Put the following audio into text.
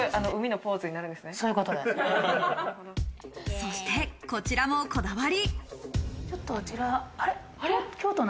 そして、こちらもこだわり。